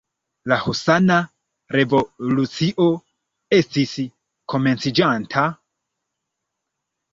La husana revolucio estis komenciĝanta...